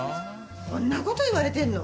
そんなこと言われてんの？